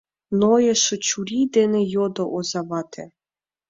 — Нойышо чурий дене йодо озавате.